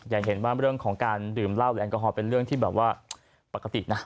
อย่างเห็นว่าเรื่องของการดื่มเหล้าแอลกอฮอล์เป็นเรื่องที่ปกตินะ